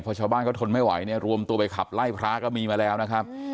พอชาวบ้านเขาทนไม่ไหวเนี่ยรวมตัวไปขับไล่พระก็มีมาแล้วนะครับ